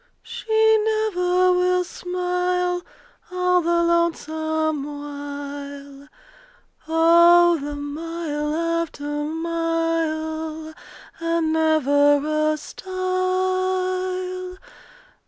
She never will smile All the lonesome while. Oh the mile after mile, And never a stile!